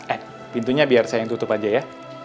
eh pintunya biar saya yang tutup aja ya